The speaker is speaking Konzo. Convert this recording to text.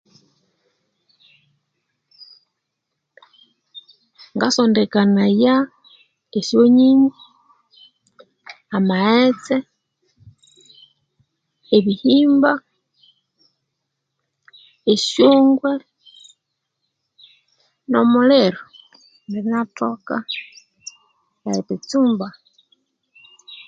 Ngasondekanaya esyonyinyi, amaghetse, ebihimba, esyongwe no omuliro bwi inathoka eribitsumba.